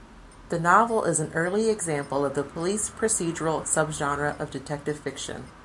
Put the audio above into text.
The novel is an early example of the police procedural subgenre of detective fiction.